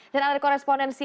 dan ada korespondensian